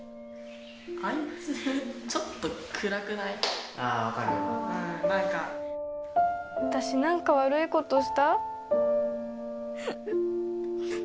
あいつちょっと暗くない私何か悪いことした？